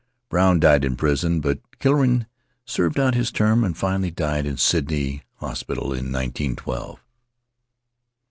Brown died in prison, but Killorain served out his term, and finally died in Sydney hospital in nineteen twelve.